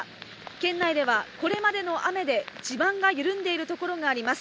県内ではこれまでの雨で地盤が緩んでいる所があります。